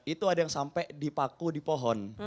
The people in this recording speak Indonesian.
itu ada yang sampai dipaku di pohon